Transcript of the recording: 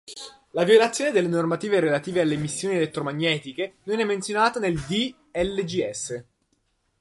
La violazione delle normative relative alle emissioni elettromagnetiche non è menzionata nel D. Lgs.